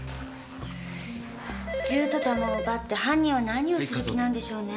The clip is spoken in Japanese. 銃と弾を奪って犯人は何をする気なんでしょうね？